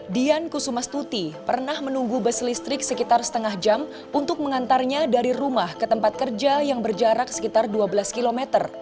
dian kusumastuti pernah menunggu bus listrik sekitar setengah jam untuk mengantarnya dari rumah ke tempat kerja yang berjarak sekitar dua belas km